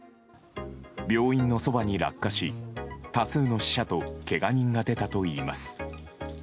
病院のそばに落下し多数の死者とけが人が出たといいます。